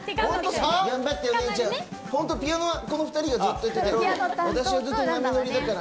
ピアノはこの２人がずっとやってたから。